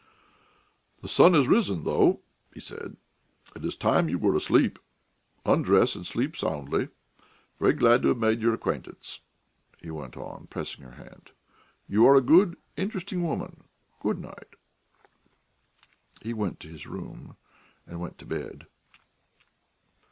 "The sun has risen, though," he said. "It is time you were asleep. Undress and sleep soundly. Very glad to have made your acquaintance," he went on, pressing her hand. "You are a good, interesting woman. Good night!" He went to his room and went to bed.